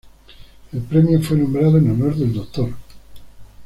El premio fue nombrado en honor del Dr.